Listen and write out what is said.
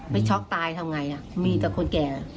ไม่ช็อกตายทำอย่างไรมีแต่คนแก่